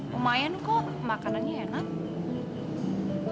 lumayan kok makanannya enak